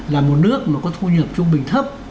là một nước có thu nhập trung bình thấp